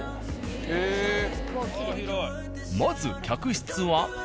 まず客室は。